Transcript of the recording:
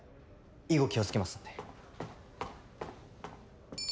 以後気を付けますんで。